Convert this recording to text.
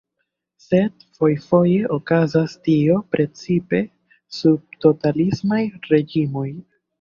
Sed fojfoje okazas tio precipe sub totalismaj reĝimoj.